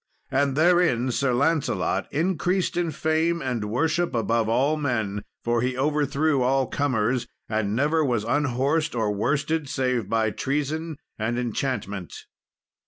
And therein Sir Lancelot increased in fame and worship above all men, for he overthrew all comers, and never was unhorsed or worsted, save by treason and enchantment.